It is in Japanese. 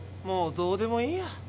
もうどうでもいいや。